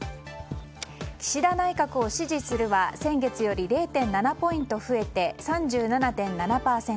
岸田内閣を支持するは先月より０．７ポイント増えて３７．７％。